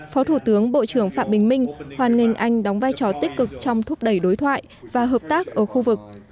phó thủ tướng bộ trưởng phạm bình minh hoan nghênh anh đóng vai trò tích cực trong thúc đẩy đối thoại và hợp tác ở khu vực